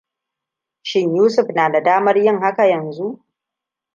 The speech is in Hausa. Shin Yusuf na da damar yin haka yanzu?